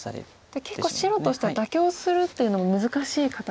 じゃあ結構白としては妥協するっていうのも難しい形。